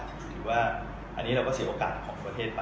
ถือว่าอันนี้เราก็เสียโอกาสของประเทศไป